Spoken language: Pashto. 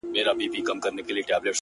ياره د مُلا په قباله دې سمه!!